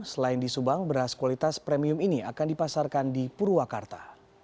selain di subang beras kualitas premium ini akan dipasarkan di purwakarta